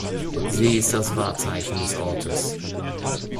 Sie ist das Wahrzeichen des Ortes.